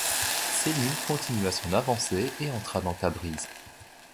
Sélim continua son avancée et entra dans Tabriz.